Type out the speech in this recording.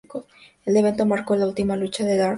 El evento marcó las ultima lucha de Dark Angel.